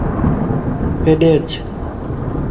ھيڏي اچ